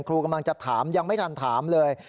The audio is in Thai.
ครูกำลังจะถามยังไม่ทันถามเลย